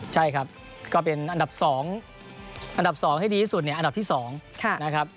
ใช่ครับก็เป็นอันดับ๒ที่ดีที่สุดอันดับที่๒นะครับ